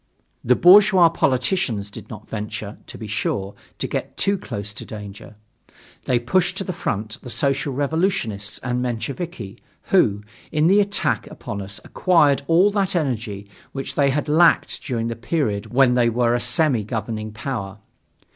The bourgeois politicians did not venture, to be sure, to get too close to danger. They pushed to the front the Social Revolutionists and Mensheviki, who, in the attack upon us acquired all that energy which they had lacked during the period when they were a semi governing power.